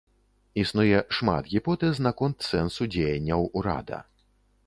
Існуе шмат гіпотэз наконт сэнсу дзеянняў урада.